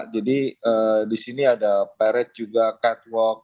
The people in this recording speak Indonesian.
jadi di sini ada parade juga catwalk